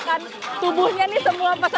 jadi ini sudah ada di seluruh panggung utama